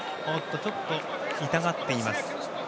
ちょっと痛がっています。